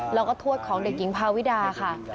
แล้วก็ทวดของเด็กหญิงพาวิดาค่ะ